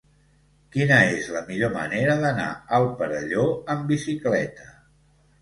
Quina és la millor manera d'anar al Perelló amb bicicleta?